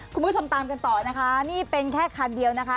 คุณผู้ชมตามกันต่อนะคะนี่เป็นแค่คันเดียวนะคะ